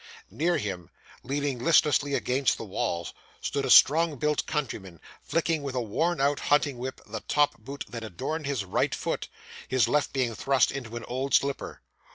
Near him, leaning listlessly against the wall, stood a strong built countryman, flicking with a worn out hunting whip the top boot that adorned his right foot; his left being thrust into an old slipper.